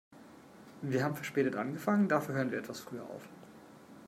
Wir haben verspätet angefangen, dafür hören wir etwas früher auf.